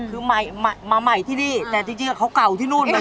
คือมาใหม่ที่นี่แต่จริงเขาเก่าที่นู่นไปแล้ว